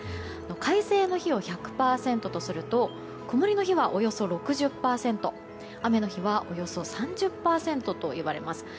快晴の日を１００％とすると曇りの日はおよそ６０％雨の日はおよそ３０％といわれます。